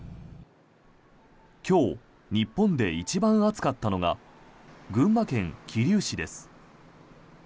今日、日本で一番暑かったのが群馬県桐生市です。